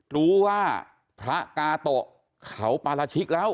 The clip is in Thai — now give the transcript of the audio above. รู้ว่าพระกาโตะเขาปาราชิกแล้ว